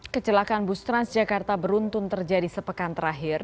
kecelakaan bus transjakarta beruntun terjadi sepekan terakhir